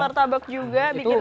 martabak juga bikin martabak